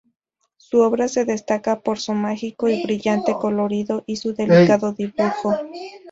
Su obra se destaca por su mágico y brillante colorido y su delicado dibujo.